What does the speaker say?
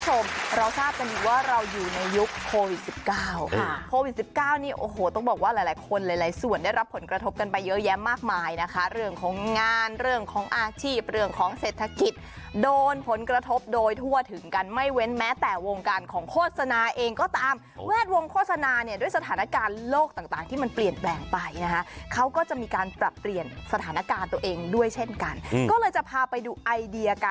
ชมเราทราบกันว่าเราอยู่ในยุคโควิทย์๑๙ค่ะโควิทย์๑๙นี่โอ้โหต้องบอกว่าหลายคนหลายส่วนได้รับผลกระทบกันไปเยอะแยะมากมายนะคะเรื่องของงานเรื่องของอาชีพเรื่องของเศรษฐกิจโดนผลกระทบโดยทั่วถึงกันไม่เว้นแม้แต่วงการของโฆษณาเองก็ตามแวดวงโฆษณาเนี่ยด้วยสถานการณ์โลกต่างที่มันเปลี่ยนแ